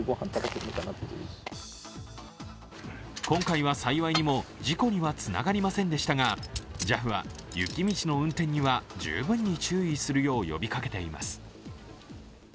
今回は幸いにも事故にはつながりませんでしたがＪＡＦは雪道の運転には十分に注意するよう呼びかけています。